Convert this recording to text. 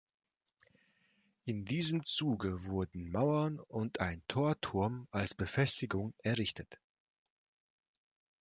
In diesem Zuge wurden Mauern und ein Torturm als Befestigungen errichtet.